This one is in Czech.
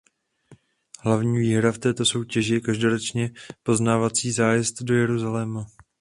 Hlavní výhra v této soutěži je každoročně poznávací zájezd do Jeruzaléma.